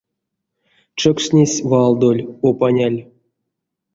Чокшнесь валдоль, опаняль.